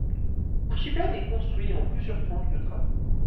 L'archipel est construit en plusieurs tranches de travaux.